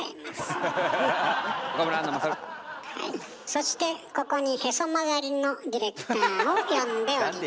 そしてここにへそ曲がりのディレクターを呼んでおります。